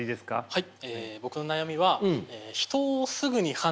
はい。